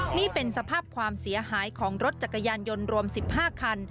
นี่เป็นสภาพความเสียหายของรถจักรยานยนต์รวม๑๕คัน